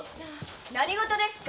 何事ですか。